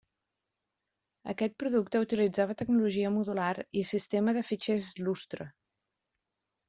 Aquest producte utilitzava tecnologia modular i sistema de fitxers Lustre.